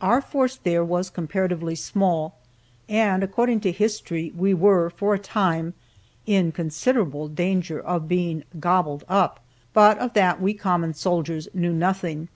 Our force there was comparatively small, and, according to history, we were, for a time, in considerable danger of being "gobbled up," but of that we common soldiers knew nothing.